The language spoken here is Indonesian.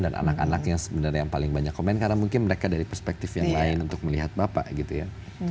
dan anak anaknya sebenarnya yang paling banyak komen karena mungkin mereka dari perspektif yang lain untuk melihat bapak gitu ya